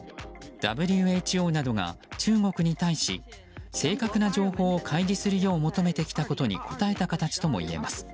ＷＨＯなどが中国に対し正確な情報を開示するように求めたことに応えた形ともいえます。